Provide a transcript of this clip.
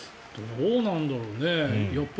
どうなんだろうね。